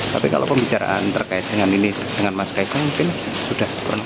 tapi kalau pembicaraan terkait dengan ini dengan mas kaisang mungkin sudah kurang